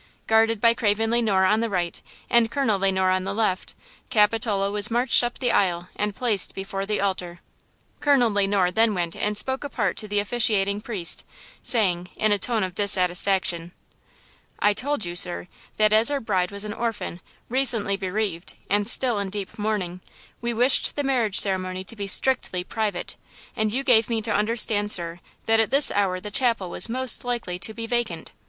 Guarded by Craven Le Noir on the right and Colonel Le Noir on the left, Capitola was marched up the aisle and placed before the altar. Colonel Le Noir then went and spoke apart to the officiating priest, saying, in a tone of dissatisfaction: "I told you, sir, that as our bride was an orphan, recently bereaved, and still in deep mourning, we wished the marriage ceremony to be strictly private, and you gave me to understand, sir, that at this hour the chapel was most likely to be vacant.